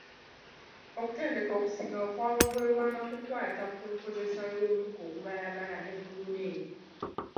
Okutendekebwa okusingawo kwa bawebwa nga kukwata ku nkozesa y'omukka ogubalagala ne guluneedi.